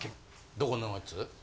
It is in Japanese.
どこのやつ？